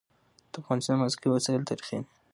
د افغان موسیقي وسایل تاریخي دي.